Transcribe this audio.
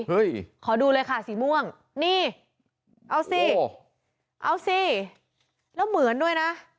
ขอดูเลยค่ะสีม่วงนี่เอาสิเอาสิแล้วเหมือนด้วยนะ